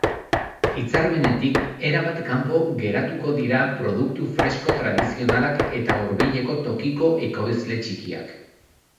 Hitzarmenetik erabat kanpo geratuko dira produktu fresko tradizionalak eta hurbileko tokiko ekoizle txikiak.